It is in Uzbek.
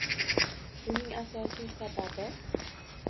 Buning asosiy sababi